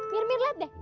mir mir liat deh